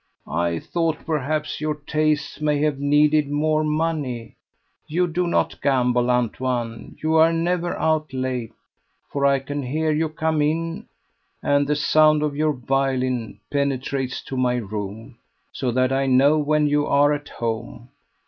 "I thought perhaps your tastes may have needed more money. You do not gamble, Antoine; you are never out late, for I can hear you come in, and the sound of your violin penetrates to my room, so that I know when you are at home.